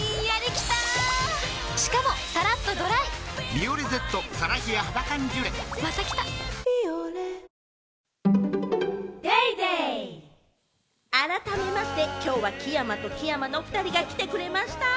「ビオレ」改めまして、今日は木山と木山のお２人が来てくれました！